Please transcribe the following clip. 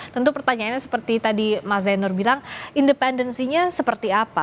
tentu pertanyaannya seperti tadi mas zainur bilang independensinya seperti apa